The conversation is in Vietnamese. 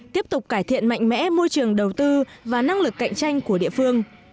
tiếp tục cải thiện mạnh mẽ môi trường đầu tư và năng lực cạnh tranh của địa phương